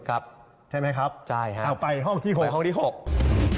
ครับใช่ไหมครับไปห้องที่๖ครับใช่ครับไปห้องที่๖